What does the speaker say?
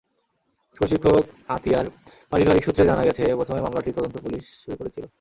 স্কুলশিক্ষক আতিয়ার পারিবারিক সূত্রে জানা গেছে, প্রথমে মামলাটির তদন্ত পুলিশ শুরু করেছিল।